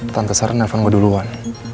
tante sarah nelfon gue duluan